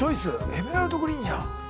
エメラルドグリーンじゃん。